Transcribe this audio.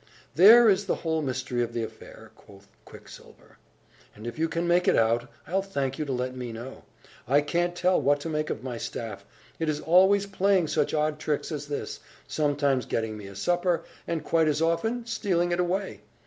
"There is the whole mystery of the affair," quoth Quicksilver; "and if you can make it out, I'll thank you to let me know. I can't tell what to make of my staff. It is always playing such odd tricks as this; sometimes getting me a supper, and, quite as often, stealing it away.